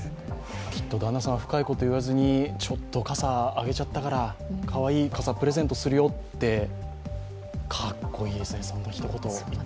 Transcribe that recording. きっと旦那さん、深いこと言わずにちょっと傘あげちゃったからかわいい傘、プレゼントするよってかっこいいですね。